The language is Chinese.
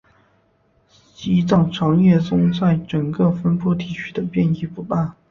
西藏长叶松在整个分布地区的变异不大。